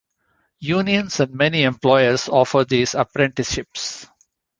Unions and many employers offer these apprenticeships.